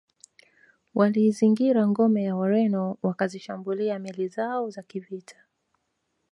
Waliizingira ngome ya Wareno wakazishambulia meli zao za kivita